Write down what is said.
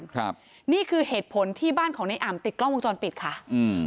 ครับนี่คือเหตุผลที่บ้านของในอ่ำติดกล้องวงจรปิดค่ะอืม